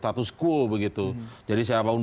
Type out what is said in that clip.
status quo jadi siapa pun